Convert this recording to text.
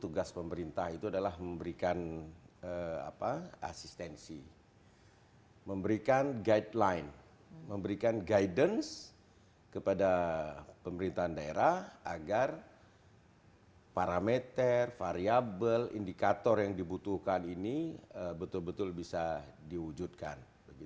tugas pemerintah itu adalah memberikan asistensi memberikan guideline memberikan guidance kepada pemerintahan daerah agar parameter variable indikator yang dibutuhkan ini betul betul bisa diwujudkan